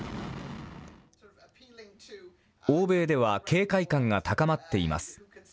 欧米では警戒感が高まっています。